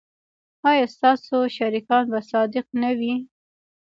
ایا ستاسو شریکان به صادق نه وي؟